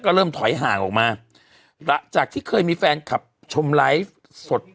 ก็เริ่มถอยห่างออกมาหลังจากที่เคยมีแฟนคลับชมไลฟ์สด